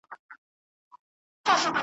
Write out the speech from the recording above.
په مدار مدار یې غاړه تاووله `